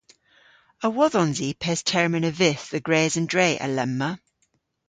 A wodhons i pes termyn a vydh dhe gres an dre alemma?